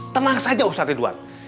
tenang saja ustadz ridwan